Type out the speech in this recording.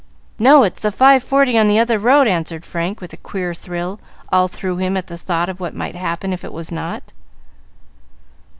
"No; it's the five forty on the other road," answered Frank, with a queer thrill all through him at the thought of what might happen if it was not.